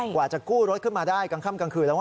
กว่าจะกู้รถขึ้นมาได้จากกลางคืนแล้ว